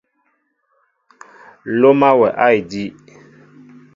Loma wɛ a ediw.